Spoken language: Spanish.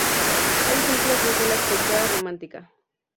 Hay ejemplos desde la escultura románica.